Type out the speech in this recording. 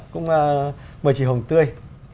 cũng mời chị hồng tươi